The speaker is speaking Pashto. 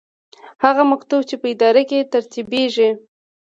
هغه مکتوب چې په اداره کې ترتیبیږي.